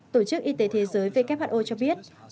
tổ chức y tế thế giới who cho biết